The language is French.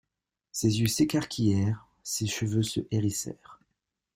Ses yeux s'écarquillèrent, ses cheveux se hérissèrent.